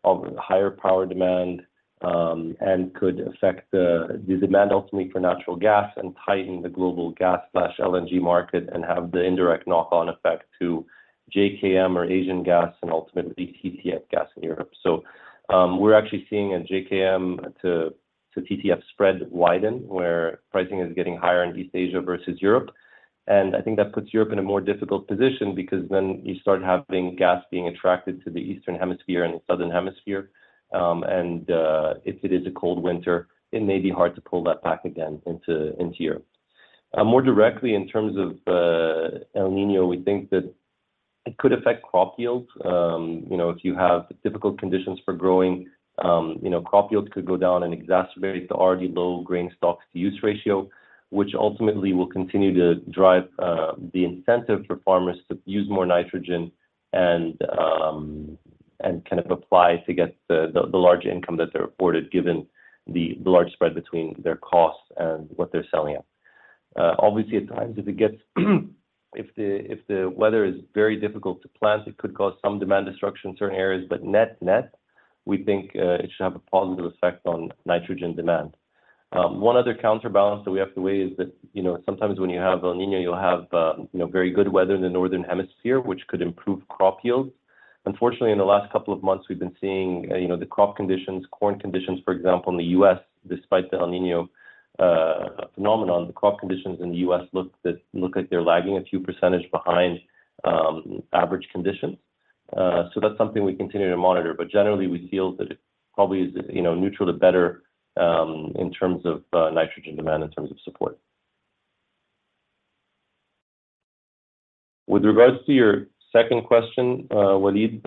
a higher power demand and could affect the demand ultimately for natural gas and tighten the global gas/LNG market and have the indirect knock on effect to JKM or Asian gas and ultimately, TTF gas in Europe. We're actually seeing a JKM to TTF spread widen, where pricing is getting higher in East Asia versus Europe. I think that puts Europe in a more difficult position because then you start having gas being attracted to the Eastern Hemisphere and the Southern Hemisphere, and if it is a cold winter, it may be hard to pull that back again into, into Europe. More directly in terms of El Niño, we think that it could affect crop yields. You know, if you have difficult conditions for growing, you know, crop yields could go down and exacerbate the already low grain stocks to use ratio, which ultimately will continue to drive the incentive for farmers to use more nitrogen and kind of apply to get the, the, the large income that they reported, given the, the large spread between their costs and what they're selling at. Obviously, at times, if it gets, if the, if the weather is very difficult to plant, it could cause some demand destruction in certain areas, but net-net, we think it should have a positive effect on nitrogen demand. One other counterbalance that we have to weigh is that, you know, sometimes when you have El Niño, you'll have, you know, very good weather in the northern hemisphere, which could improve crop yields. Unfortunately, in the last couple of months, we've been seeing, you know, the crop conditions, corn conditions, for example, in the U.S., despite the El Niño phenomenon, the crop conditions in the U.S. look like they're lagging a few percentage behind average conditions. That's something we continue to monitor, but generally, we feel that it probably is, you know, neutral to better, in terms of nitrogen demand, in terms of support. With regards to your second question, Wadeed,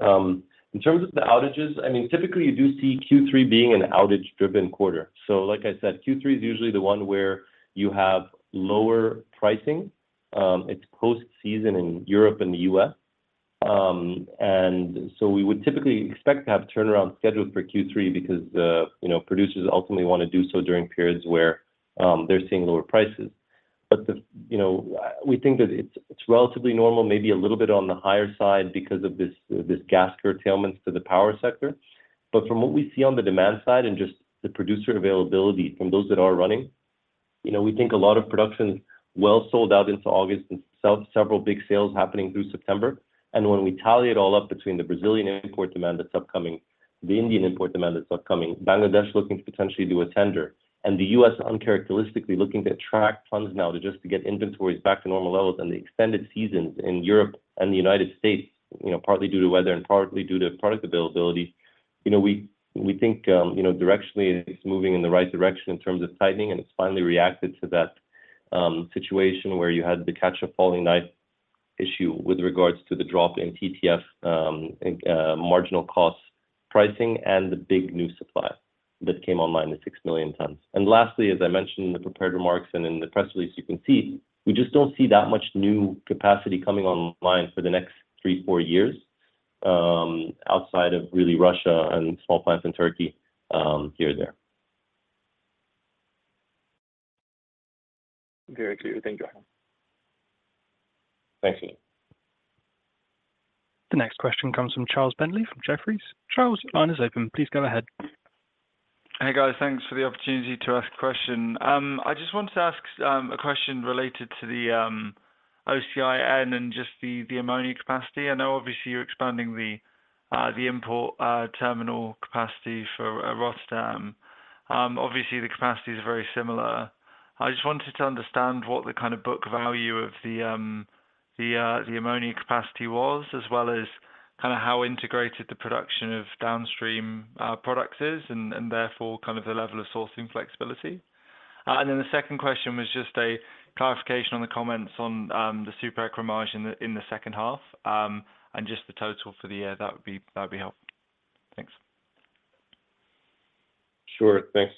in terms of the outages, I mean, typically, you do see Q3 being an outage-driven quarter. Like I said, Q3 is usually the one where you have lower pricing. It's post-season in Europe and the U.S. We would typically expect to have turnaround scheduled for Q3 because the, you know, producers ultimately wanna do so during periods where they're seeing lower prices. You know, we think that it's, it's relatively normal, maybe a little bit on the higher side because of this, this gas curtailments to the power sector. From what we see on the demand side and just the producer availability from those that are running, you know, we think a lot of production well sold out into August, and several big sales happening through September. When we tally it all up between the Brazilian import demand that's upcoming, the Indian import demand that's upcoming, Bangladesh looking to potentially do a tender, and the U.S. uncharacteristically looking to attract funds now to just to get inventories back to normal levels and the extended seasons in Europe and the United States, you know, partly due to weather and partly due to product availability. You know, we, we think, you know, directionally, it's moving in the right direction in terms of tightening, and it's finally reacted to that situation where you had to catch a falling knife issue with regards to the drop in TTF marginal cost pricing and the big new supply that came online, the 6 million tons. Lastly, as I mentioned in the prepared remarks and in the press release, you can see, we just don't see that much new capacity coming online for the next 3, 4 years, outside of really Russia and small plants in Turkey, here and there. Very clear. Thank you. Thank you. The next question comes from Charlie Bentley, from Jefferies. Charlie, your line is open. Please go ahead. Hey, guys. Thanks for the opportunity to ask a question. I just wanted to ask a question related to the OCI and just the ammonia capacity. I know, obviously, you're expanding the import terminal capacity for Rotterdam. Obviously, the capacity is very similar. I just wanted to understand what the kind of book value of the ammonia capacity was, as well as kind of how integrated the production of downstream products is, and therefore, kind of the level of sourcing flexibility. The second question was just a clarification on the comments on the super-bénéfice in the second half and just the total for the year. That would be, that'd be helpful. Thanks. Sure. Thanks,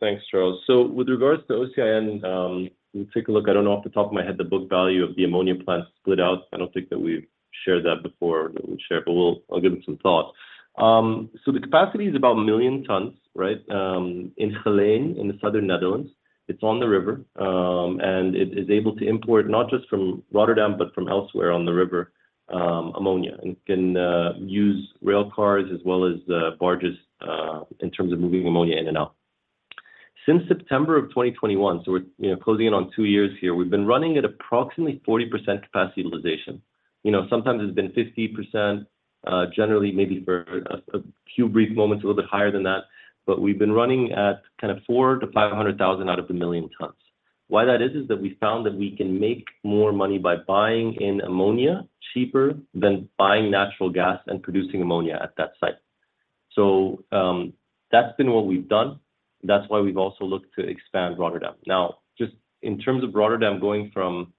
thanks, Charlie. With regards to OCI, let me take a look. I don't know off the top of my head, the book value of the ammonia plant split out. I don't think that we've shared that before, but we'll share. I'll give them some thought. The capacity is about 1 million tons, right? In Geleen, in the southern Netherlands. It's on the river, and it is able to import, not just from Rotterdam, but from elsewhere on the river, ammonia, and can use rail cars as well as barges in terms of moving ammonia in and out. Since September of 2021, so we're, you know, closing in on 2 years here, we've been running at approximately 40% capacity utilization. You know, sometimes it's been 50%, generally, maybe for a few brief moments, a little bit higher than that, but we've been running at kind of 400,000-500,000 out of the million tons. Why that is, is that we found that we can make more money by buying in ammonia cheaper than buying natural gas and producing ammonia at that site. That's been what we've done. That's why we've also looked to expand Rotterdam. Now, just in terms of Rotterdam, going from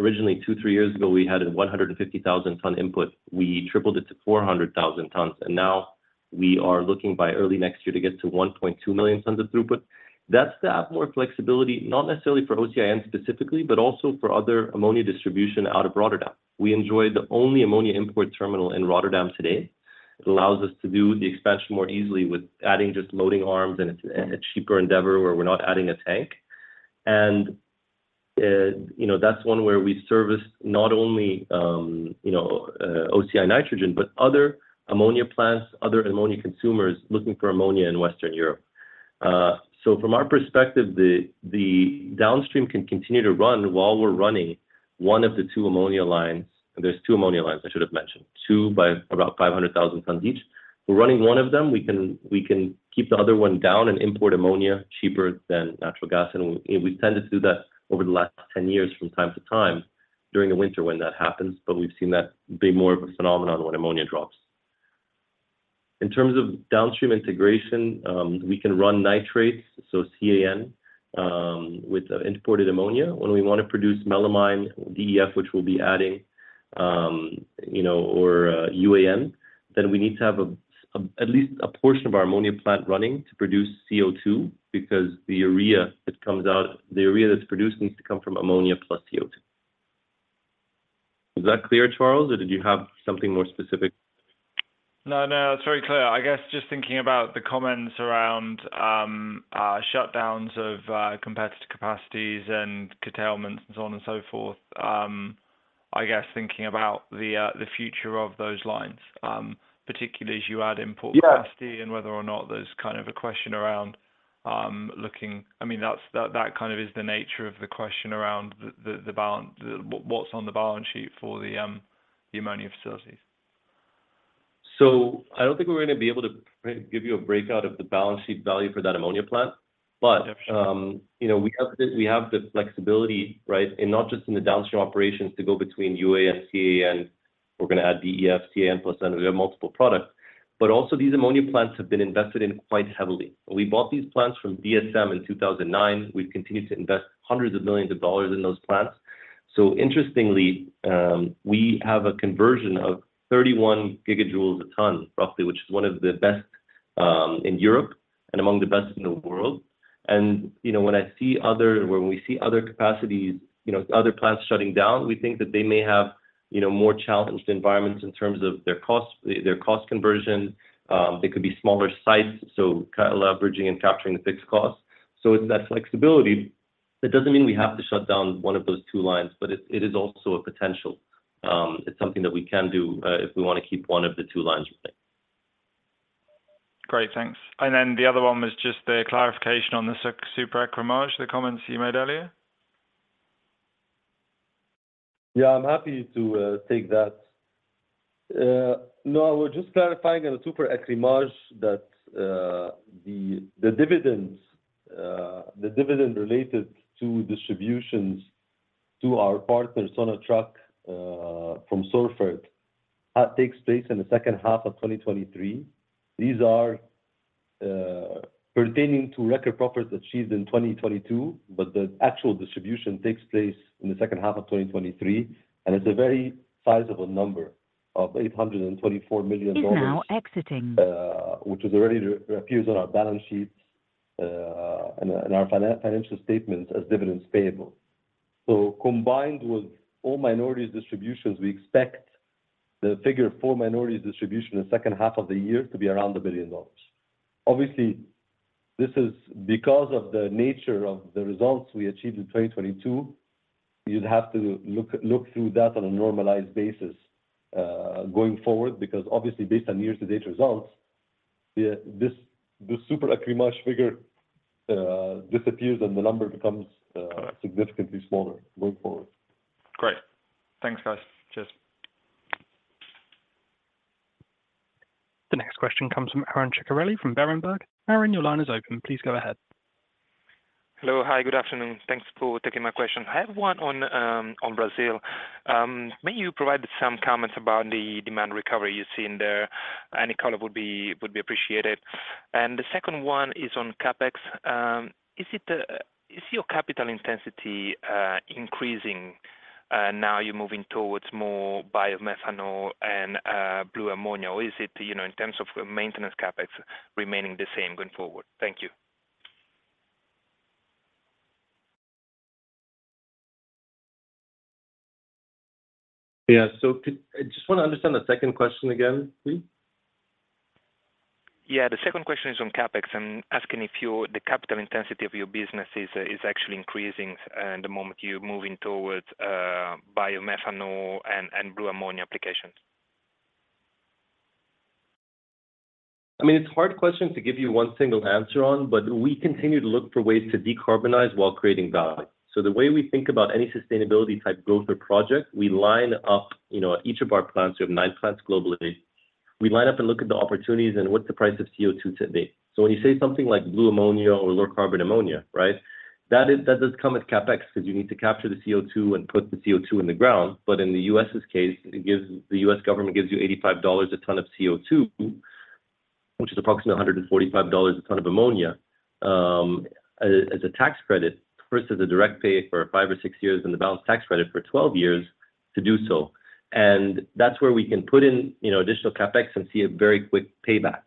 originally 2, 3 years ago, we had a 150,000 ton input. We tripled it to 400,000 tons, and now we are looking by early next year to get to 1.2 million tons of throughput. That's to have more flexibility, not necessarily for OCI specifically, but also for other ammonia distribution out of Rotterdam. We enjoy the only ammonia import terminal in Rotterdam today. It allows us to do the expansion more easily with adding just loading arms, and it's a cheaper endeavor where we're not adding a tank. You know, that's one where we service not only, you know, OCI Nitrogen, but other ammonia plants, other ammonia consumers looking for ammonia in Western Europe. So from our perspective, the downstream can continue to run while we're running one of the two ammonia lines. There's two ammonia lines, I should have mentioned. Two by about 500,000 tons each. We're running one of them. We can, we can keep the other one down and import ammonia cheaper than natural gas, and we, and we've tended to do that over the last 10 years from time to time during the winter when that happens. We've seen that be more of a phenomenon when ammonia drops. In terms of downstream integration, we can run nitrates, so CAN, with imported ammonia. When we wanna produce melamine DEF, which we'll be adding, you know, or UAN, then we need to have a, at least a portion of our ammonia plant running to produce CO2, because the urea that comes out, the urea that's produced needs to come from ammonia plus CO2. Is that clear, Charlie, or did you have something more specific? No, no, it's very clear. I guess just thinking about the comments around shutdowns of competitive capacities and curtailments and so on and so forth. I guess thinking about the future of those lines, particularly as you add import capacity... Yeah. Whether or not there's kind of a question around looking... I mean, that's, that, that kind of is the nature of the question around the, the, the balance, the, what's on the balance sheet for the ammonia facilities. I don't think we're gonna be able to give you a breakout of the balance sheet value for that ammonia plant. Sure. You know, we have the, we have the flexibility, right? Not just in the downstream operations to go between UA and CA, and we're gonna add DEF, CAN-plus, and we have multiple products, but also these ammonia plants have been invested in quite heavily. We bought these plants from DSM in 2009. We've continued to invest hundreds of millions of dollars in those plants. Interestingly, we have a conversion of 31 gigajoules a ton, roughly, which is one of the best in Europe and among the best in the world. You know, when we see other capacities, you know, other plants shutting down, we think that they may have, you know, more challenged environments in terms of their cost, their cost conversion. They could be smaller sites, so kind of leveraging and capturing the fixed costs. It's that flexibility. That doesn't mean we have to shut down one of those two lines, but it, it is also a potential. It's something that we can do, if we wanna keep one of the two lines running. Great, thanks. Then the other one was just the clarification on the super-bénéfice, the comments you made earlier? Yeah, I'm happy to take that. No, I was just clarifying on the super-bénéfice that the, the dividends, the dividend related to distributions to our partner, Sonatrach, from Sorfert Algérie, that takes place in the second half of 2023. These are pertaining to record profits achieved in 2022, but the actual distribution takes place in the second half of 2023, and it's a very sizable number of $824 million. Is now exiting. Which is already re-appears on our balance sheets, and our financial statements as dividends payable. Combined with all minorities distributions, we expect the figure for minorities distribution in the second half of the year to be around $1 billion. Obviously, this is because of the nature of the results we achieved in 2022. You'd have to look, look through that on a normalized basis, going forward, because obviously, based on year-to-date results, the, this, the super-bénéfice figure, disappears, and the number becomes significantly smaller going forward. Great. Thanks, guys. Cheers. The next question comes from Arun Ceccarelli from Berenberg. Arun, your line is open. Please go ahead. Hello. Hi, good afternoon. Thanks for taking my question. I have one on Brazil. May you provide some comments about the demand recovery you've seen there? Any color would be, would be appreciated. The second one is on CapEx. Is it, is your capital intensity increasing, and now you're moving towards more biomethanol and blue ammonia? Or is it, you know, in terms of maintenance CapEx remaining the same going forward? Thank you. Yeah. I just wanna understand the second question again, please. Yeah, the second question is on CapEx. I'm asking if the capital intensity of your business is actually increasing at the moment you're moving towards Biomethanol and Blue ammonia applications. I mean, it's a hard question to give you one single answer on. We continue to look for ways to decarbonize while creating value. The way we think about any sustainability type growth or project, we line up, you know, at each of our plants. We have nine plants globally. We line up and look at the opportunities and what's the price of CO2 today. When you say something like blue ammonia or low carbon ammonia, right? That is, that does come with CapEx because you need to capture the CO2 and put the CO2 in the ground. In the U.S.'s case, the U.S. government gives you $85 a ton of CO2, which is approximately $145 a ton of ammonia, as a tax credit versus a direct pay for 5 or 6 years and the balance tax credit for 12 years to do so. That's where we can put in, you know, additional CapEx and see a very quick payback.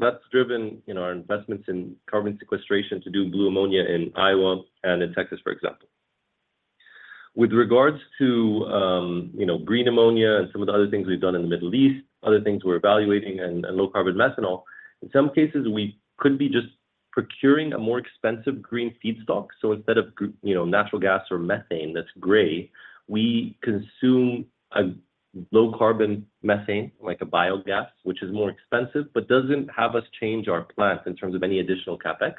That's driven, you know, our investments in carbon sequestration to do blue ammonia in Iowa and in Texas, for example. With regards to, you know, green ammonia and some of the other things we've done in the Middle East, other things we're evaluating and, and low carbon methanol, in some cases, we could be just procuring a more expensive green feedstock. Instead of you know, natural gas or methane, that's gray, we consume a low carbon methane, like a biogas, which is more expensive but doesn't have us change our plant in terms of any additional CapEx,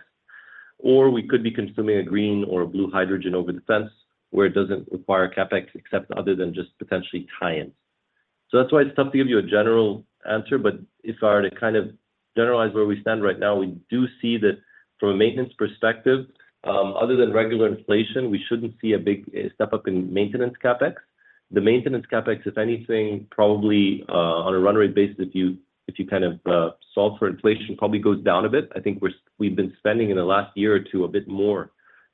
or we could be consuming a green or a blue hydrogen over the fence, where it doesn't require CapEx except other than just potentially tie-in. That's why it's tough to give you a general answer, but if I were to kind of generalize where we stand right now, we do see that from a maintenance perspective, other than regular inflation, we shouldn't see a big step up in maintenance CapEx. The maintenance CapEx, if anything, probably on a run rate basis, if you, if you kind of solve for inflation, probably goes down a bit. I think we've been spending in the last year or two, a bit more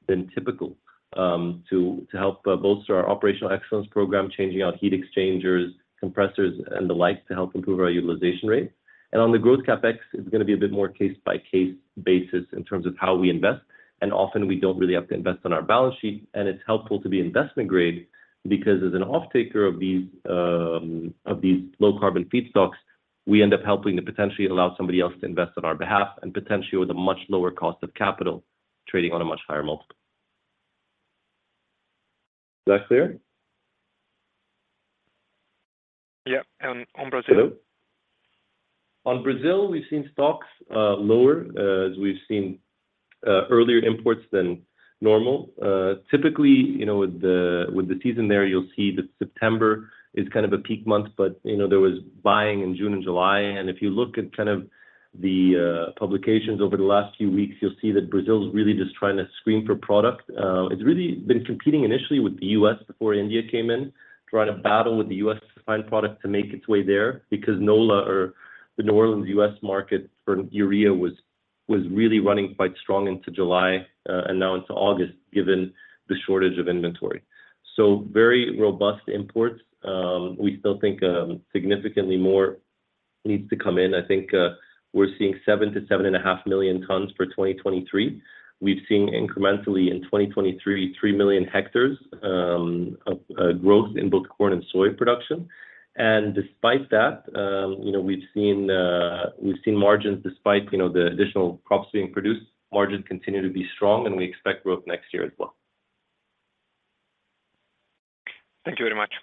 than typical, to, to help bolster our operational excellence program, changing out heat exchangers, compressors, and the like, to help improve our utilization rate. On the growth CapEx, it's gonna be a bit more case-by-case basis in terms of how we invest, and often we don't really have to invest on our balance sheet. It's helpful to be investment grade because as an off-taker of these, of these low-carbon feedstocks, we end up helping to potentially allow somebody else to invest on our behalf and potentially with a much lower cost of capital, trading on a much higher multiple. Is that clear? Yeah, on Brazil? Hello? On Brazil, we've seen stocks lower, as we've seen earlier imports than normal. Typically, you know, with the, with the season there, you'll see that September is kind of a peak month, but, you know, there was buying in June and July, and if you look at kind of the publications over the last few weeks, you'll see that Brazil is really just trying to scream for product. It's really been competing initially with the US before India came in, trying to battle with the US to find product to make its way there, because NOLA or the New Orleans US market for urea was, was really running quite strong into July, and now into August, given the shortage of inventory. Very robust imports. We still think significantly more needs to come in. I think we're seeing 7 to 7.5 million tons for 2023. We've seen incrementally in 2023, 3 million hectares of growth in both corn and soy production. Despite that, you know, we've seen margins, despite, you know, the additional crops being produced, margins continue to be strong, and we expect growth next year as well. Thank you very much.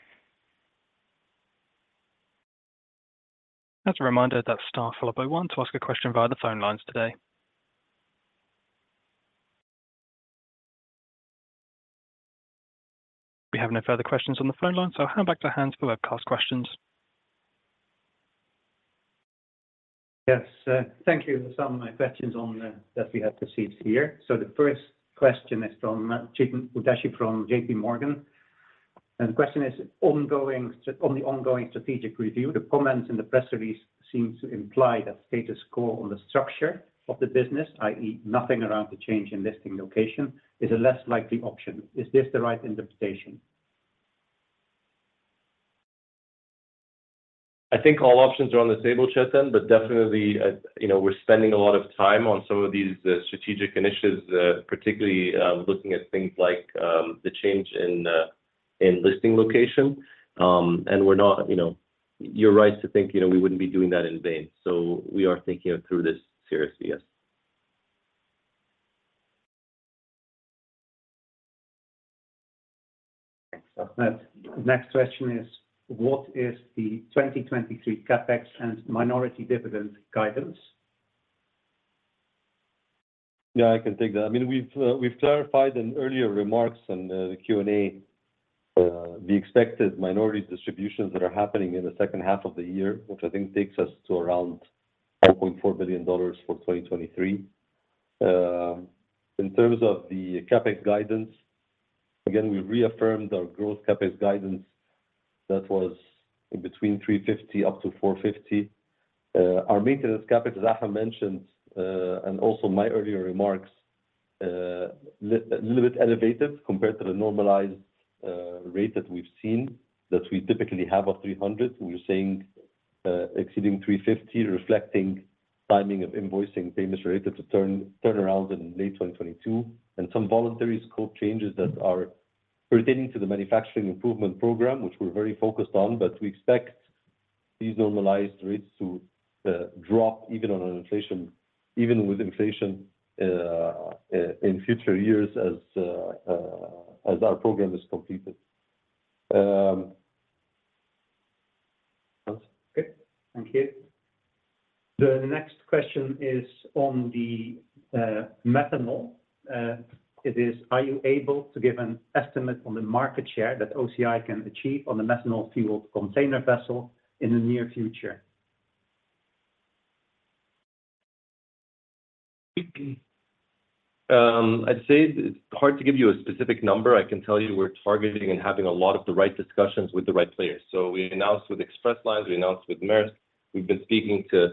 As a reminder, that star followed by one to ask a question via the phone lines today. We have no further questions on the phone line, so I'll hand back to Hans for webcast questions. Yes, thank you. For some of my questions that we have received here. The first question is from Chetan Udeshi from J.P. Morgan, and the question is ongoing, on the ongoing strategic review, the comments in the press release seems to imply that status quo on the structure of the business, i.e., nothing around the change in listing location, is a less likely option. Is this the right interpretation? I think all options are on the table, Chetan, but definitely, you know, we're spending a lot of time on some of these strategic initiatives, particularly, looking at things like, the change in listing location. We're not, you know... You're right to think, you know, we wouldn't be doing that in vain, so we are thinking through this seriously, yes. Thanks, Ahmed. The next question is, what is the 2023 CapEx and minority dividend guidance? Yeah, I can take that. I mean, we've, we've clarified in earlier remarks on the, the Q&A, the expected minority distributions that are happening in the second half of the year, which I think takes us to around $4.4 billion for 2023. In terms of the CapEx guidance, again, we reaffirmed our growth CapEx guidance. That was in between $350-$450. Our maintenance CapEx, as Ahmed mentioned, and also my earlier remarks, a little bit elevated compared to the normalized rate that we've seen, that we typically have of $300. We're seeing exceeding $350, reflecting timing of invoicing, payments related to turnarounds in late 2022, and some voluntary scope changes that are pertaining to the manufacturing improvement program, which we're very focused on. We expect these normalized rates to drop even with inflation, in future years as the as our program is completed. Hans? Okay, thank you. The next question is on the methanol. It is, are you able to give an estimate on the market share that OCI can achieve on the methanol fuel container vessel in the near future? I'd say it's hard to give you a specific number. I can tell you we're targeting and having a lot of the right discussions with the right players. We announced with X-Press Feeders, we announced with Maersk. We've been speaking to,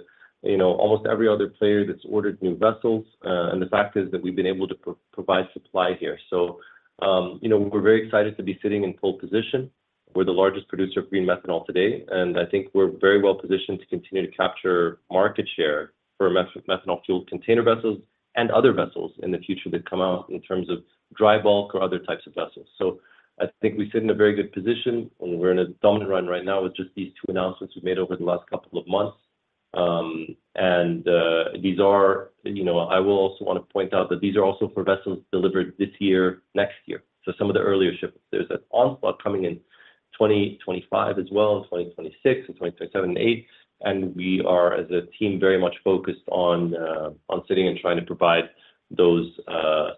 you know, almost every other player that's ordered new vessels, the fact is that we've been able to provide supply here. You know, we're very excited to be sitting in pole position. We're the largest producer of green methanol today, and I think we're very well positioned to continue to capture market share for methanol fuel container vessels and other vessels in the future that come out in terms of dry bulk or other types of vessels. I think we sit in a very good position, and we're in a dominant run right now with just these 2 announcements we've made over the last couple of months. You know, I will also want to point out that these are also for vessels delivered this year, next year. Some of the earlier ships, there's an onslaught coming in 2025 as well, in 2026 and 2027 and 2028, and we are, as a team, very much focused on sitting and trying to provide those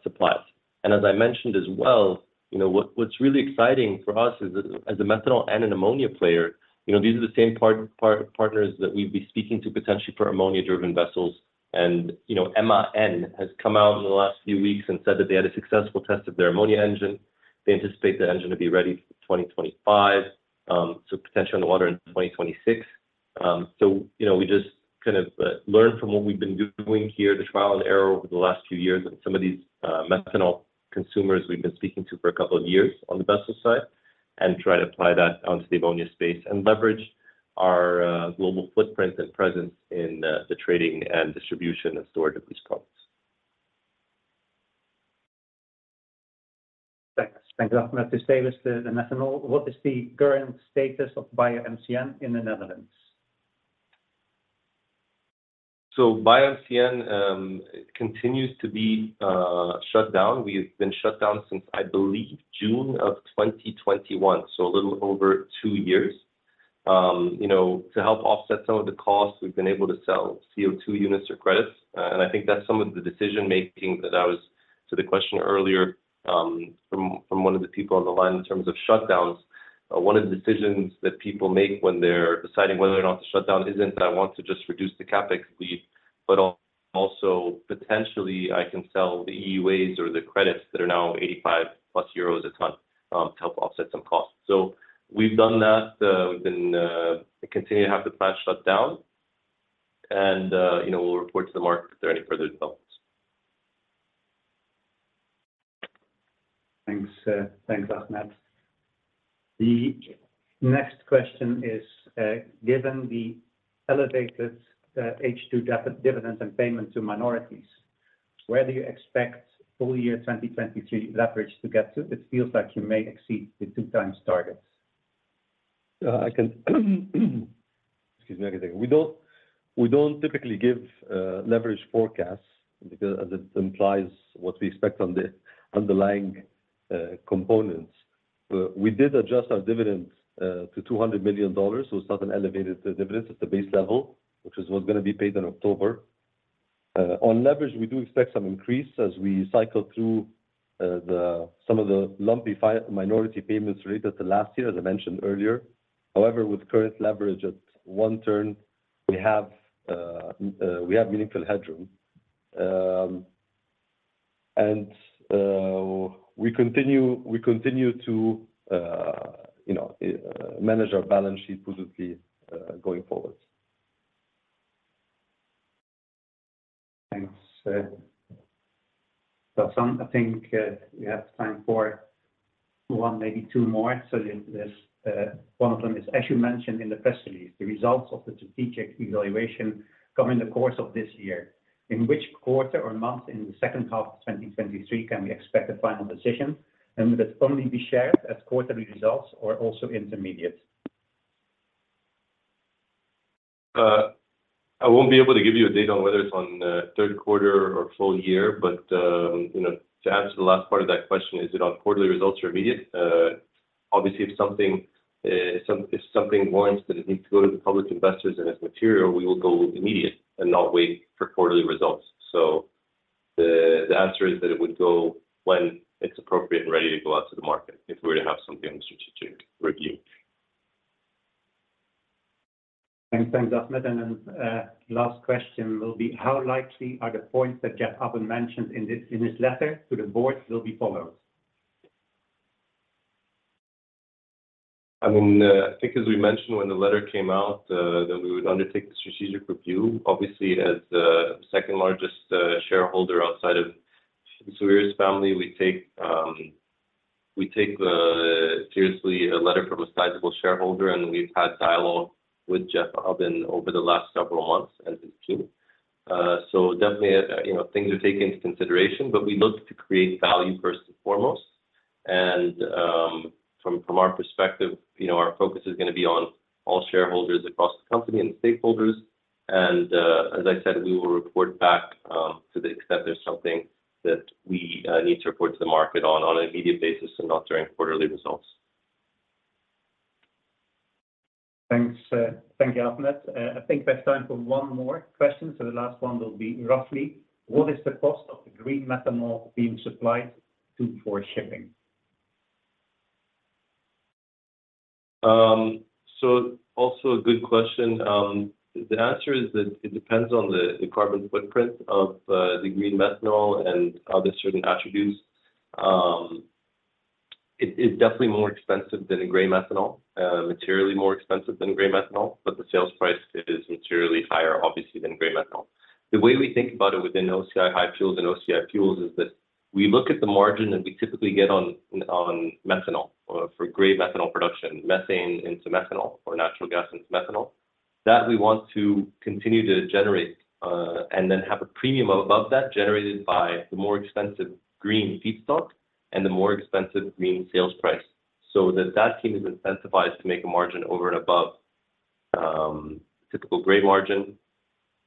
supplies. As I mentioned as well, you know, what's really exciting for us as a methanol and ammonia player, you know, these are the same partners that we'd be speaking to potentially for ammonia-driven vessels. You know, MAN has come out in the last few weeks and said that they had a successful test of their ammonia engine. They anticipate the engine to be ready for 2025, so potentially on the water in 2026. So, you know, we just kind of learned from what we've been doing here, the trial and error over the last few years, and some of these methanol consumers we've been speaking to for 2 years on the vessel side, and try to apply that onto the ammonia space. Leverage our global footprint and presence in the trading and distribution and storage of these products. Thanks. Thank you, Ahmed. To stay with the, the methanol, what is the current status of BioMCN in the Netherlands? BioMCN continues to be shut down. We've been shut down since, I believe, June 2021, so a little over 2 years. You know, to help offset some of the costs, we've been able to sell CO2 units or credits. I think that's some of the decision-making. To the question earlier, from one of the people on the line in terms of shutdowns. One of the decisions that people make when they're deciding whether or not to shut down isn't, I want to just reduce the CapEx bleed, but also potentially I can sell the EUAs or the credits that are now 85+ euros a ton to help offset some costs. We've done that. We've been, continue to have the plant shut down, and, you know, we'll report to the market if there are any further developments. Thanks, thanks, Ahmed. The next question is, given the elevated H2 dividends and payment to minorities, where do you expect full year 2023 leverage to get to? It feels like you may exceed the 2x targets. I can... Excuse me one second. We don't, we don't typically give leverage forecasts because as it implies what we expect on the underlying components. We did adjust our dividends to $200 million, so it's not an elevated dividends, it's a base level, which is what's gonna be paid in October. On leverage, we do expect some increase as we cycle through the, some of the lumpy minority payments related to last year, as I mentioned earlier. However, with current leverage at 1 turn, we have, we have meaningful headroom. We continue, we continue to, you know, manage our balance sheet positively going forward. Thanks, Bassam. I think, we have time for one, maybe two more. There's, one of them is, as you mentioned in the press release, the results of the strategic evaluation come in the course of this year. In which quarter or month in the second half of 2023 can we expect a final decision? Will it only be shared as quarterly results or also intermediate? I won't be able to give you a date on whether it's on third quarter or full year, but, you know, to add to the last part of that question, is it on quarterly results or immediate? Obviously, if something, if something warrants that it needs to go to the public investors and it's material, we will go immediate and not wait for quarterly results. The, the answer is that it would go when it's appropriate and ready to go out to the market, if we were to have something on the strategic review. Thanks. Thanks, Ahmed. Last question will be, how likely are the points that Jeffrey Ubben mentioned in this letter to the Board will be followed? I mean, I think as we mentioned when the letter came out, that we would undertake the strategic review. Obviously, as the second largest shareholder outside of the Sawiris family, we take, we take seriously a letter from a sizable shareholder, and we've had dialogue with Jeffrey Ubben over the last several months, as did Jimmy. Definitely, you know, things are taken into consideration, but we look to create value first and foremost. From, from our perspective, you know, our focus is gonna be on all shareholders across the company and stakeholders. As I said, we will report back to the extent there's something that we need to report to the market on, on an immediate basis and not during quarterly results. Thanks, thank you, Ahmed. I think there's time for one more question, the last one will be, roughly, what is the cost of the green methanol being supplied to, for shipping? Also a good question. The answer is that it depends on the, the carbon footprint of the green methanol and other certain attributes. It is definitely more expensive than a gray methanol, materially more expensive than gray methanol, but the sales price is materially higher, obviously, than gray methanol. The way we think about it within OCI HyFuels and OCI Fuels is that we look at the margin that we typically get on, on methanol for gray methanol production, methane into methanol or natural gas into methanol, that we want to continue to generate, and then have a premium above that generated by the more expensive green feedstock and the more expensive green sales price. The that team is incentivized to make a margin over and above typical gray margin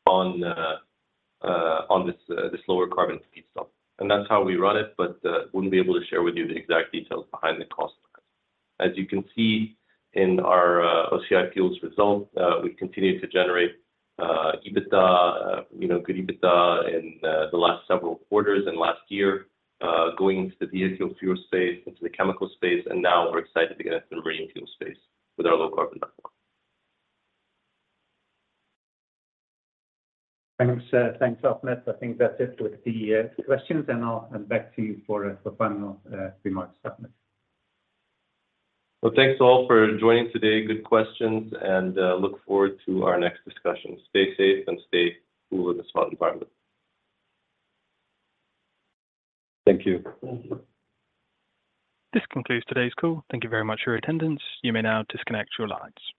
on this lower carbon feedstock. That's how we run it, but wouldn't be able to share with you the exact details behind the cost. As you can see in our OCI Fuels results, we continue to generate EBITDA, you know, good EBITDA in the last several quarters and last year, going into the diesel fuel space, into the chemical space, and now we're excited to get into the green fuel space with our low carbon. Thanks, thanks, Ahmed. I think that's it with the questions, and I'll hand back to you for the final remarks, Ahmed. Well, thanks all for joining today. Good questions, look forward to our next discussion. Stay safe and stay cool in the hot environment. Thank you. Thank you. This concludes today's call. Thank you very much for your attendance. You may now disconnect your lines.